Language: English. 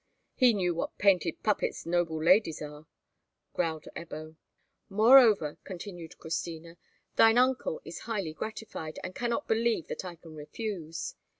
"He knew what painted puppets noble ladies are," growled Ebbo. "Moreover," continued Christina, "thine uncle is highly gratified, and cannot believe that I can refuse.